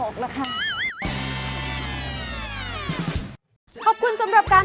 ขอบคุณสำหรับการ